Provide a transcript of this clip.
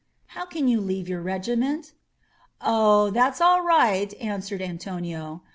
"How can you leave your regiment?" "Oh, that's all right," answered Antonio.